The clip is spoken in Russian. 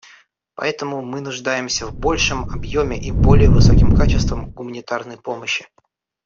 Поэтому мы нуждаемся в большем объеме и более высоком качестве гуманитарной помощи.